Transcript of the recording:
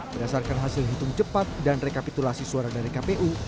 berdasarkan hasil hitung cepat dan rekapitulasi suara dari kpu